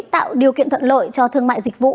tạo điều kiện thuận lợi cho thương mại dịch vụ